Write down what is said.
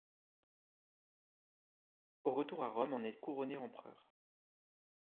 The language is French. Au retour à Rome en est couronné empereur.